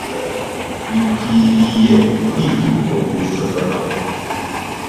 bikwiriye kwifuzwa kurusha zahabu